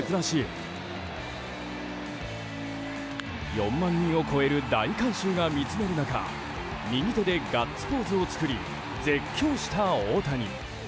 ４万人を超える大観衆が見つめる中右手でガッツポーズを作り絶叫した大谷。